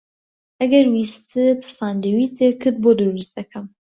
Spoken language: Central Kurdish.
ئەگەر ویستت ساندویچێکت بۆ دروست دەکەم.